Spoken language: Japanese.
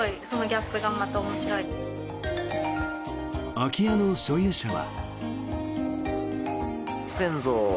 空き家の所有者は。